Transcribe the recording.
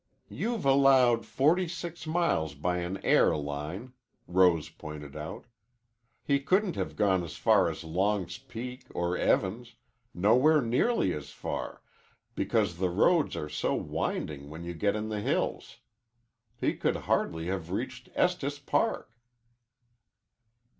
"You've allowed forty six miles by an air line," Rose pointed out. "He couldn't have gone as far as Long's Peak or Evans nowhere nearly as far, because the roads are so winding when you get in the hills. He could hardly have reached Estes Park."